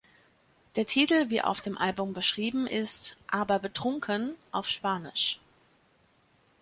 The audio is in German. Der Titel, wie auf dem Album beschrieben, ist „aber betrunken“ auf Spanisch.